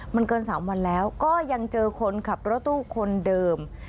มันเกิน๓วันแล้วก็ยังเจอคนขับรถตู้คนเดิม